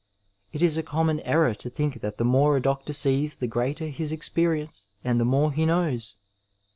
It is a common error to think that the more a doctor sees the greater his experience and the more he knows.